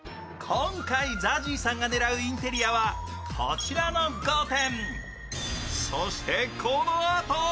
今回、ＺＡＺＹさんが狙うインテリアはこちらの５点。